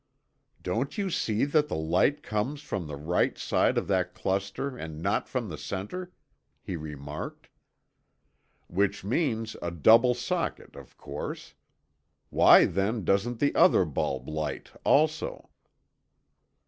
"Don't you see that the light comes from the right side of that cluster and not from the center?" he remarked. "Which means a double socket of course. Why then doesn't the other bulb light also?"